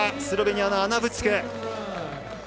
スロベニアのアナ・ブツィク。